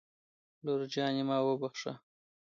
لور جانې ما وبښه